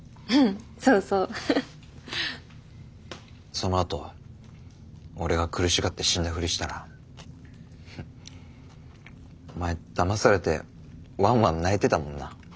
そのあと俺が苦しがって死んだふりしたらフッお前だまされてわんわん泣いてたもんな。